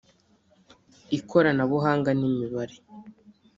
ikoranabuhanga n’imibare